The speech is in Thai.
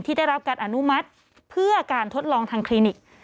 ได้รับการอนุมัติเพื่อการทดลองทางคลินิก